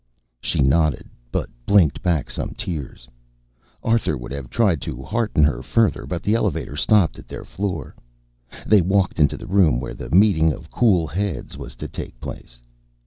She nodded, but blinked back some tears. Arthur would have tried to hearten her further, but the elevator stopped at their floor. They walked into the room where the meeting of cool heads was to take place.